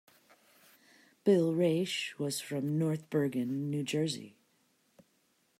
Bill Raisch was from North Bergen, New Jersey.